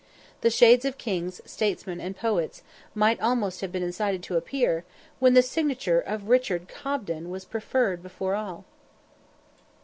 The shades of kings, statesmen, and poets, might almost have been incited to appear, when the signature of Richard Cobden was preferred before all.